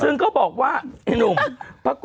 ซึ้งก็บอกว่า